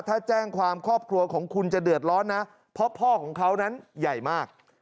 ถ้าแจ้งความครอบครัวของคุณจะเดือดร้อนนะเพราะพ่อของเขานั้นใหญ่มาก